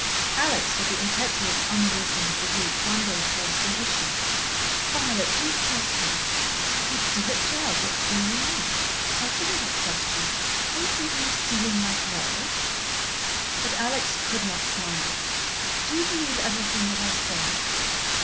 Alex, with the impetuous unwisdom of the weak, one day forced an issue. "Violet, do you trust me?" "My dear child, what do you mean? Why shouldn't I trust you? Are you thinking of stealing my pearls?" But Alex could not smile. "Do you believe everything that I say?"